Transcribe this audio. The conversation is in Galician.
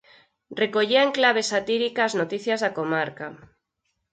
Recollía en clave satírica as noticias da comarca.